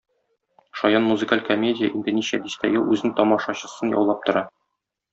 Шаян музакаль комедия инде ничә дистә ел үзенең тамашачысын яулап тора.